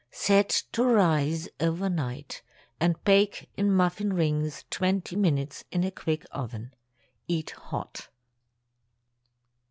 Set to rise over night, and bake in muffin rings twenty minutes in a quick oven. Eat hot.